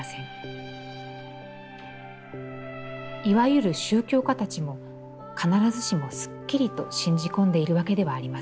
いわゆる宗教家たちも、必ずしもすっきりと信じ込んでいるわけではありません。